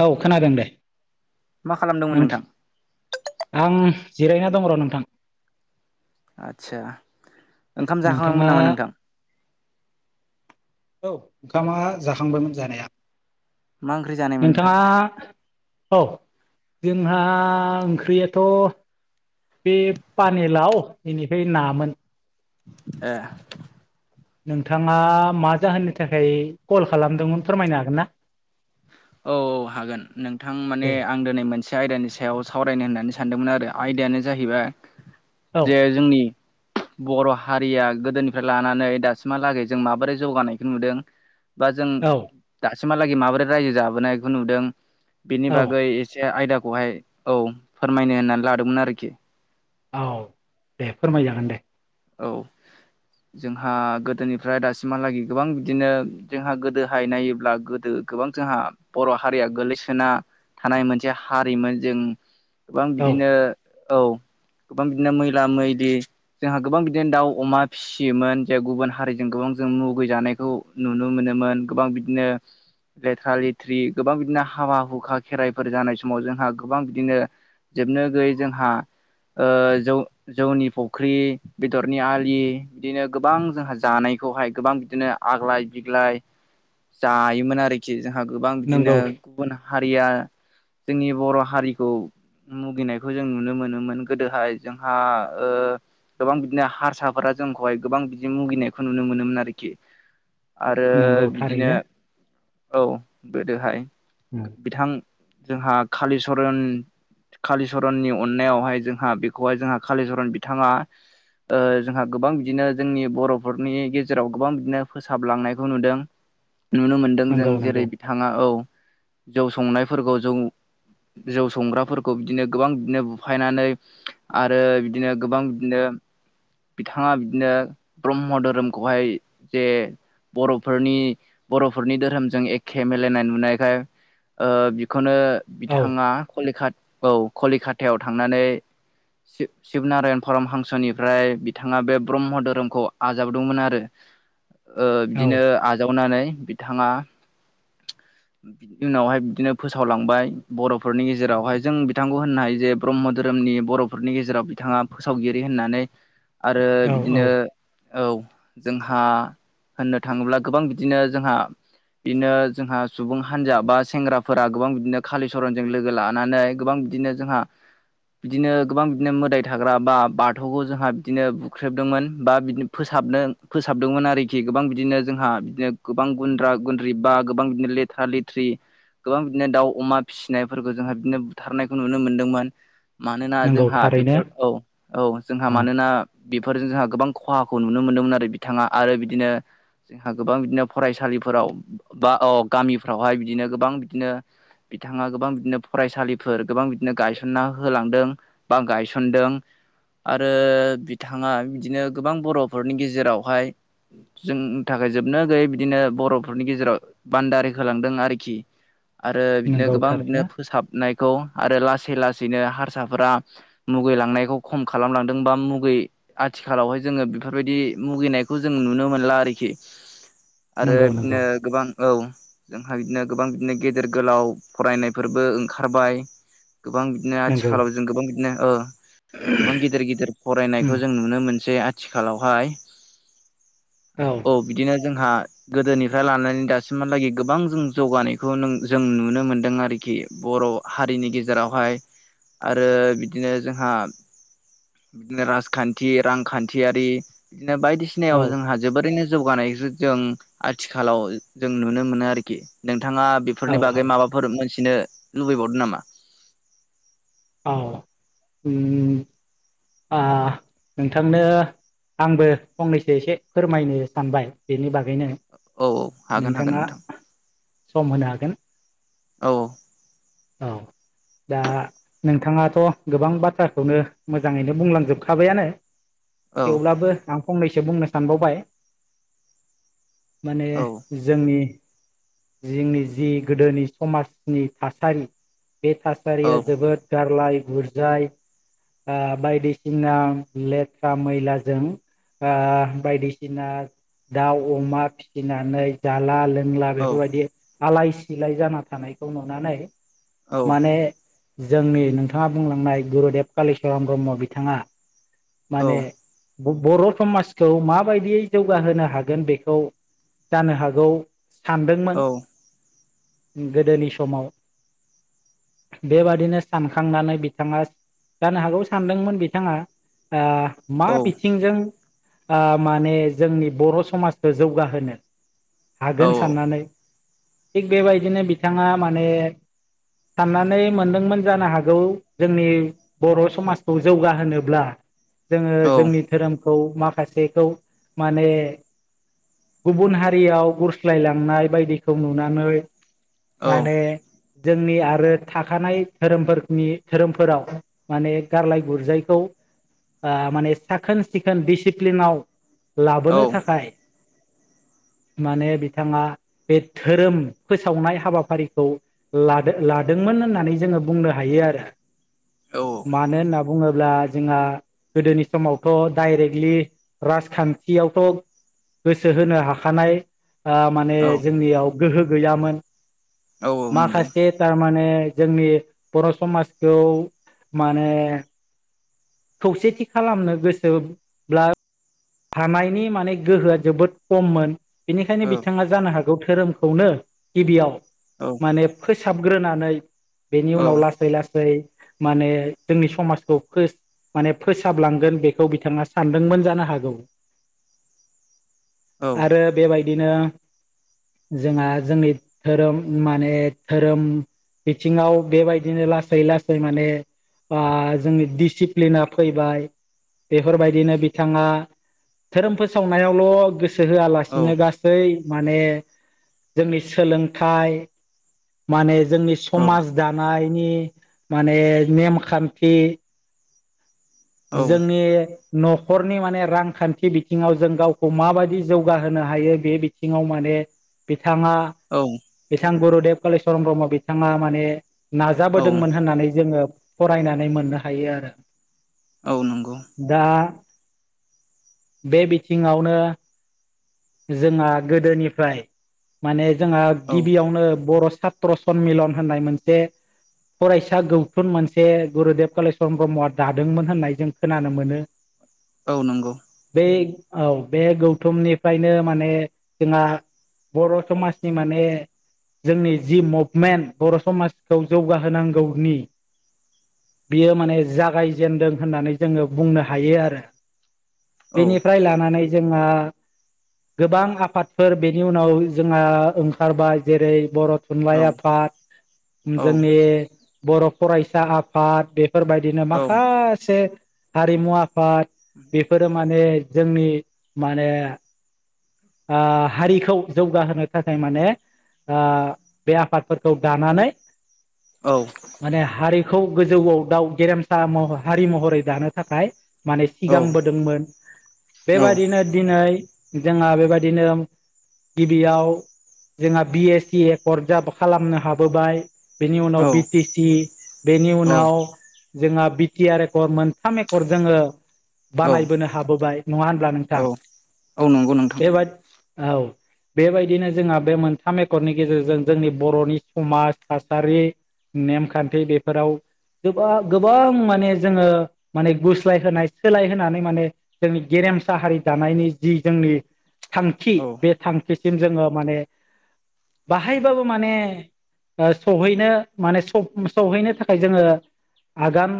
औ खोनादों दे मा खालामदोंमोन नों नोंथां आं जिरायना दं र' नोंथां आदसा ओंखाम नोंथाङा जाखांबायमोन नामा नोंथां? औ ओंखामा जाखांबायमोन जानाया। मा ओंख्रि जानायमोन नोंथाङा नोंथां? औ जोंहा ओंख्रियाथ' बे पानेलाव बेनिफ्राय नामोन ए। नोंथाङा मा जाहोननि थाखाय कल खालामदोंमोन फोरमायनो हागोन ना? औ औ हागोन नोंथां माने दे आं दिनै मोनसे आयदानि सायाव सावरायनो होननानै सानदोंमोन आरो आयदायानो जाहैबाय औ जे जोंनि बर' हारिया गोदोनिफ्राय लानानै दासिमहालागै जों माबोरै जौगानायखौ नुदों? बा जों औ दासिमहालागै माबोरै रायजो जाबोनायखौ नुदों? बेनि औ बागै एसे आयदाखौहाय औ फोरमायनो होननानै लादोंमोन आरोखि औ दे फोरमाय जागोन दे। औ जोंहा गोदोनिफ्राय दासिमहालागै गोबां बिदिनो जोंहा गोदोहाय नायोब्ला गोदो गोबां जोंहा बर' हारिया गोलैसोना थानाय मोनसे हारिमोन जों गोबां औ बिदिनो औ गोबां बिदिनो मैला मैलि जोंहा गोबां बिदिनो दाउ अमा फिसियोमोन जे गुबुन हारिजों गोबां जों मुगैजानायखौ नुनो मोनोमोन गोबां बिदिनो लेथ्रा लेथ्रि गोबां बिदिनो हाबा हुखा खेराइफोर जानाय समाव जोंहा गोबां बिदिनो जोबनो गैयै जोंहा ओ जौ जौनि फख्रि बेदरनि आलि बिदिनो गोबां जोंहा जानायखौहाय गोबां बिदिनो आग्लाय बिग्लाय जायोमोन आरोखि जोंहा गोबां नंगौ बिदिनो गुबुन हारिया जोंनि बर' हारिखौ मुगैनायखौ जों नुनो मोनोमोन गोदोहाय जोंहा ओ गोबां बिदिनो हारसाफोरा जोंखौहाय गोबां बिदि मुगैनायखौ नुनो मोनोमोन आरोखि आरो नंगौ बिदिनो थारैनो औ गोदोहाय बिथां जोंहा कालिचरन कालिचरननि अननायावहाय जोंहा बेखौहाय जोंहा कालिचरन बिथाङा ओ जोंहा गोबां बिदिनो जोंनि बर'फोरनि गेजेराव गोबां बिदिनो फोसाबलांनायखौ नुदों नुनो मोन्दों जों नंगौ नंगौ जेरै बिथाङा औ जौ संनायफोरखौ जौ जौ संग्राफोरखौ बिदिनो गोबां बिदिनो बुफायनानै आरो बिदिनो गोबां बिदिनो बिथाङा बिदिनो ब्रह्म धोरोमखौहाय जे बरफोरनि बर'फोरनि धोरोमजों एखे मिलायनाय नुनायखाय ओ बिखौ खौनो औ बिथाङा कलिकाट औ कलिकातायाव थांनानै शिब शिबनारण फर्म हांस'निफ्राय बिथाङा बे ब्रह्म धोरोमखौ आजावदोंमोन आरो ओ औ बिदिनो आजावनानै बिथाङा उनावहाय बिदिनो फोसावलांबाय बर'फोरनि गेजेरावहाय जों बिथांखौ होननो हायो जे ब्रह्म धोरोम नि बर'फोरनि गेजेराव बिथाङा फोसावगिरि होननानै आरो औ औ बिदिनो औ जोंहा होननो थाङोब्ला गोबां बिदिनो जोंहा बिदिनो जोंहा सुबुं हानजा बा सेंग्राफोरा गोबां बिदिनो कालिचरनजों लोगो लानानै गोबां बिदिनो जोंहा बिदिनो गोबां बिदिनो मोदाय थाग्रा बा बाथौखौ जोंहा बिदिनो बुख्रेबदोंमोन बा बिदिनो फोसाबनो फोसाबदोंमोन आरोखि गोबां बिदिनो जोंहा बिदिनो गोबां गुन्द्रा गुन्द्रि बा गोबां बिदिनो लेथ्रा लेथ्रि गोबां बिदिनो दाउ अमा फिसिनायफोरखौ जोंहा बिदिनो बुथारनायखौ नुनो मोनदोंमोन मानोना नंगौ जोंहा थारैनो बेफोर औ औ जोंहा औ मानोना बेफोरजों जोंहा गोबां खहाखौ नुनो मोन्दोंमोन आरो बिथाङा आरो बिदिनो जोंहा गोबां बिदिनो फरायसालिफोराव बा अ गामिफ्रावहाय बिदिनो गोबां बिदिनो बिथाङा गोबां बिदिनो फरायसालिफोर गोबां बिदिनो गायसनना होलांदों बा गायस थोनदों आरो बिथाङा बिदिनो गोबां बर'फोरनि गेजेरावहाय जोंनि थाखाय जोबनो गैयै बिदिनो बर'फोरनि गेजेराव बान्दारि होलांदों आरोखि आरो बिदिनो नंगौ गोबां बिदिनो थारैनो फोसाबनायखौ आरो लासै लासैनो हारसाफोरा मुगैलांनायखौ खम खालामलांदों बा मुगै आथिखालावहाय जोङो बेफोरबायदि मुगैनायखौ जों नुनो मोनला आरोखि आरो नंगौ नंगौ बिदिनो गोबां औ जोंहा बिदिनो गोबां बिदिनो गेदेर गोलाव फरायनायफोरबो ओंखारबाय गोबां बिदिनो नंगौ आथिखालाव जों गोबां बिदिनो ओ गोबां गिदिर गिदिर उम फरायनायखौ जों नुनो मो सै आथिखालावहाय औ बिदिनो जोंहा गोदोनिफ्राय लानानै दासिमहालागै गोबां जों जौगानायखौ जों नुनो मोनदों आरोखि बर' हारिनि गेजेरावहाय आरो बिदि दिनो जोंहा बिदिनो राजखान्थि रांखान्थियारि बिदिनो औ बायदिसिनायाव जोंहा जोबोरैनो जौगानायजो जों आथिखालाव जों नुनो मोनो आरोखि नों थाङा औ बेफोरनि बागै माबाफोर मोनथिनो लुबैबावदों नामा औ ओम आ नोंथांनो आंबो फंनैसो एसे फोरमायनो सानबाय बेनि बागैनो औ औ हागोन हागोन नोंथाङा नोंथां सम होनो हागोन औ औ दा नोंथाङाथ' गोबां बाथ्राखौनो मोजाङैनो बुंलांजोबखाबायानो औ थेवब्लाबो आं फंनैसो बुंनो सानबावबाय माने औ जोंनि जोंनि जि गोदोनि समाजनि थासारि बे थासारिया जोबोद गारलाय बुरजाय आ बायदिसिना लेथ्रा मैलाजों आ बायदिसिना दाउ अमा फिसिनानै जाला लोंला बेफोरबायदि आलाय सिलाय जाना थानायखौ नुनानै औ माने जोंनि नोंथाङा बुंलांनाय गुरुदेब कालिचरन ब्रह्म बिथाङा माने बर' समाजखौ माबायदियै जौगाहोनो हागोन बेखौ जानो हागौ सानदोंमोन औ औ गोदोनि समाव बेबादिनो सानखांनानै बिथाङा जानो हागौ सानदोंमोन बिथाङा आ औ मा बिथिंजों आ माने जोंनि बर' समाजखौ जौगाहोनो औ हागोन औ साननानै थिग बेबायदिनो बिथाङा माने साननानै मोनदोंमोन जानो हागौ जोंनि बर' समाजखौ जौगाहोनोब्ला जोङो औ जोंनि दोरोमखौ खौ माखासेखौ माने गुबुन हारियाव सोलायलांनाय बायदिखौ नुनानै औ माने जोंनि आरो थाखानाय दोरोमफोरनि दोरोमफोराव माने गारलाय गुरजायखौ आ माने साखोन सिखोन डसिप्लिनाव लाबोनो थाखाय माने बिथाङा बे दोरोम फोसावनाय हाबाफारिखौ ला लादोंमोन होननानै जों बुंनो हायो आरो औ मानो होनना बुङो बुङोब्ला जोंहा गोदोनि समावथ' दडाइरेक्टलि राजखानथियावथ' गोसो होनो हाखानाय आ माने औ जोंनियाव गोहो गैयामोन औ नंगौ माखासे थारमाने जोंनि बर' समाजखौ माने खौसेथि खालामनो गोसोब्ला हानायनि माने गोहोया जोबोद खममोन बेनिखायनो औ बिथाङा जानो हागौ दोरोमखौनो गिबियाव औ माने फोसाबग्रोनानै बेनि औ उनाव लासै लासै माने जोंनि समाजखौ फोसा माने फोसाबलांगोन बेखौ बिथाङा सानदोंमोन जानो हागौ औ आरो बेबायदिनो जोंहा जोंनि दोरोम माने दोरोम बिथिङाव बेबायदिनो लासै लासै माने आ जोंनि दिडसिप्लिना फैबाय बेफोरबायदिनो बिथाङा ओरोम फोसावनायावल' गोसो होयालासिनो गासै माने जोंनि सोलोंथाइ माने जोंनि समाज दानायनि माने नेमखानथि जोंनि न'खरनि माने रांखानथि बिथिङाव जों गावखौ माबायदि जौगाहोनो हायो बे बिथिङाव माने बिथाङा औ बिथां गुरुदेब कालिचरन ब्रह्म बिथाङा माने औ औ नाजाबोदोंमोन होननानै जोङो फरायनानै मोननो हायो आरो औ नंगौ दा बे बिथिङावनो जोंहा गोदोनिफ्राय माने जोंहा औ गिबियावनो बर' सात्र सनमिलन होननाय मोनसे फरायसा गौथुन मोनसे गुरुदेब कालिचवरन ब्रह्मआ दादोंमोन होननाय जों खोनानो मोनो औ नंगौ थिग औ बे गौथुमनि फ्रायनो माने जोंहा बर' समाजनि माने जोंनि जि मुभमेन्ट बर' समाजखौ जौगाहोनांगौनि बियो माने जागायजेनदों होननानै जोङो बुंनो हायो आरो औ बेनिफ्राय लानानै जोंहा गोबां आफादफोर बेनि उनाव जोंहा ओंखारबाय जेरै बर' औ थुनलाइ आफाद औ जोंनि बर' फरायसा आफाद बे फोरबायदिनो माखासे हारिमु आफाद बेफोरो माने जोंनि माने ओ हारिखौ जौगाहोनो थाखाय माने ओ बे आफादफोरखौ दानानै औ माने हारि खौ गोजौआव दाउ गेरेमसा हारि महरै दानो थाखाय माने सिगांबोदोंमोन औ बेबायदिनो दिनै जोंहा बे बायदिनो गिबियाव जोंहा बि एस सि एकर्ड खालामनो हाबोबाय बेनि उनाव बि टि सि बेनि उनाव जोंहा बि टि आर एकर्ड मोनथाम एकर्ड जोङो औ बानायबोनो हाबोबाय नङा होनब्ला नोंथां औ नंगौ नोंथां बेबाय औ बेबायदिनो जोंहा बे मोनथाम एकर्डनि गेजेरजों जोंनि बर'नि समाज थासारि नेमखान्थि बेफोराव गोबा गोबां माने जोङो माने गुस्लाय होनोनाय सोलायहोनानै माने जोंनि गे रेमसा हारि दानायनि जि जोंनि थांखि औ बे थांखिसिम जोङो माने बाहायबाबो माने ओ सहैनो मान सौ सहैनो थाखाय जोङो आगान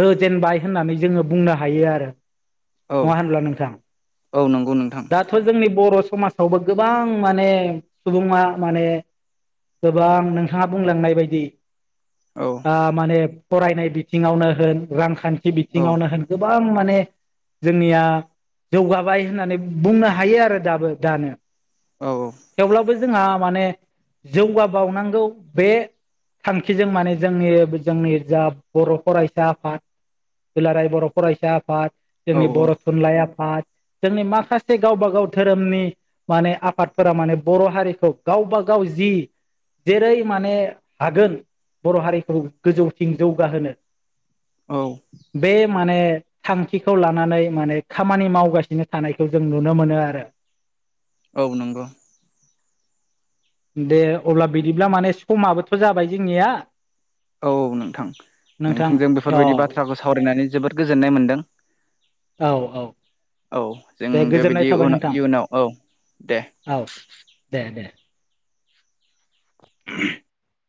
होजेनबाय होननानै जोङो बुंनो हायो आरो औ नङा होनब्ला नोंथां औ नंगौ नोंथां दाथ' जोंनि बर' समाजावबो गोबां माने सुबुङा माने गोबां नोंथाङा बुंलांनाय बायदि औ आ माने फरायनाय बिथिङावनो होन रांखान्थि औ औ बिथिङावनो होन गोबां माने जोंनिया जौगाबाय होननानै बुंनो हायो आरो दाबो दानो औ औ [unintelligible] जोंहा माने जौगाबावनांगौ बे थांखिजों माने जोंनि जोंनि जा बर' फरायसा आफाद दुलाराय बर' फरायसा आफाद औ जोंनि बर' थुनलाइ आफाद जोंनि माखासे से गावबा गाव धोरोमनि माने आफादफोरा माने बर' हारिखौ गावबा गाव जि जेरै माने हागोन बर' हारिखौ गोजौथिं जौगाहोनो औ बे माने थांखिखौ लानानै माने खामानि मावगासिनो थानायखौ जों नुनो मोनो आरो औ नंगौ दे अब्ला बिदिब्ला माने समाबोथ' जाबाय जोंनिया औ नोंथां नोंथां नोंथांजों अ बेफोरबायदि बाथ्राखौ सावरायनानै जोबोद गोजोननाय मोनदों औ औ औ जों दे गोजोननाय बेबायदि थाबाय उनाव नोंथां इयुनाव औ दे औ दे दे [unintelligible]